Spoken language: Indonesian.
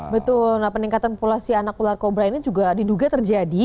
betul nah peningkatan populasi anak ular kobra ini juga diduga terjadi